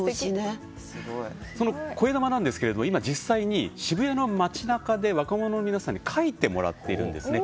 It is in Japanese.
こえだまなんですが今実際に渋谷の街なかで若者の皆さんに書いてもらっているんです。